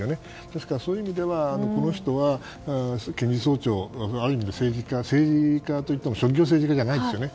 ですから、そういう意味ではこの人は検事総長ある意味で政治家といっても職業政治家じゃないですね。